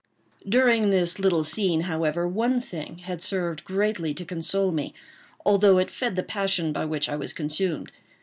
During this little scene, however, one thing had served greatly to console me, although it fed the passion by which I was consumed.